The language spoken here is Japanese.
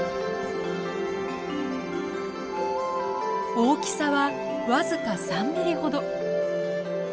大きさは僅か３ミリほど。